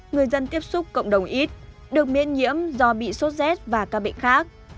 người dân tiếp xúc cộng đồng ít được miễn nhiễm do bị sốt z và các bệnh khác